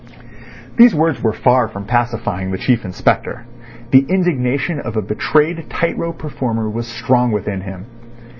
These words were far from pacifying the Chief Inspector. The indignation of a betrayed tight rope performer was strong within him.